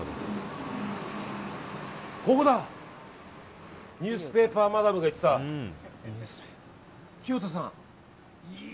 ここだニュースペーパーマダムが言ってた、清田さん。